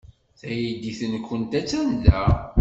Taydit-nwent attan da.